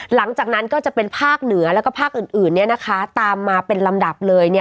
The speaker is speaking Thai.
หลังจากนั้นก็จะเป็นภาคเหนือแล้วก็ภาคอื่นอื่นเนี่ยนะคะตามมาเป็นลำดับเลยเนี่ย